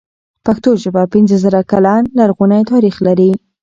پښتو ژبه پنځه زره کلن لرغونی تاريخ لري.